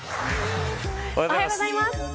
おはようございます。